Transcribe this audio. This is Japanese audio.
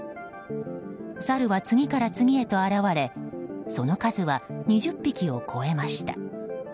サルは次から次へと現れその数は、２０匹を超えました。